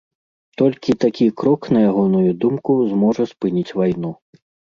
Толькі такі крок, на ягоную думку, зможа спыніць вайну.